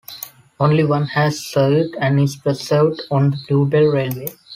Only one has survived, and is preserved on the Bluebell Railway.